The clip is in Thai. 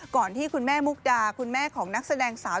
ที่คุณแม่มุกดาคุณแม่ของนักแสดงสาว